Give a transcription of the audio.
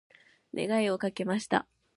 願いをかけました。